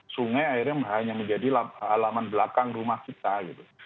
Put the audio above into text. sungai akhirnya hanya menjadi halaman belakang rumah kita gitu